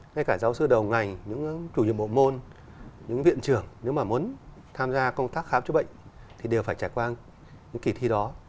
ngay cả giáo sư đầu ngành những chủ nhiệm bộ môn những viện trưởng nếu mà muốn tham gia công tác khám chữa bệnh thì đều phải trải qua những kỳ thi đó